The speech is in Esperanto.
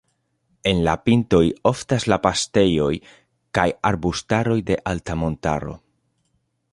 En la pintoj oftas la paŝtejoj kaj arbustaroj de alta montaro.